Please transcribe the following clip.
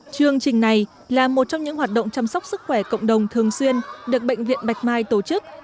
chương trình này là một trong những hoạt động chăm sóc sức khỏe cộng đồng thường xuyên được bệnh viện bạch mai tổ chức